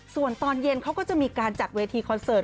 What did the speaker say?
ส่วนตอนเย็นเขาก็จะมีการจัดเวทีคอนเสิร์ต